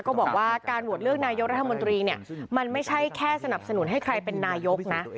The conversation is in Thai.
ก็บอกว่าการโหวตเลือกนายกรัฐมนตรีเนี่ยมันไม่ใช่แค่สนับสนุนให้ใครเป็นนายกนะ